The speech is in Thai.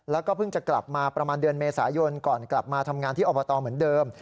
แล้วก็เพิ่งจะกลับมาประมาณเดือนเมษายนก่อนกลับมาทำงานที่อบตเหมือนเดิม